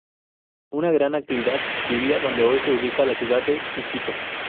Una gran cantidad vivía donde hoy se ubica la ciudad de Iquitos.